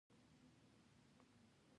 ولې خوښ خلک روغتیا لرونکی او اوږد عمر لري.